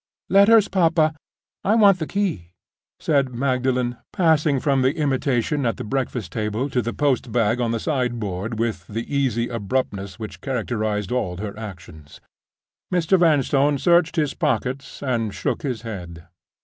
"Letters, papa. I want the key," said Magdalen, passing from the imitation at the breakfast table to the post bag on the sideboard with the easy abruptness which characterized all her actions. Mr. Vanstone searched his pockets and shook his head.